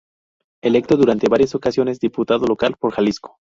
Electo, durante varias ocasiones, diputado local por Jalisco.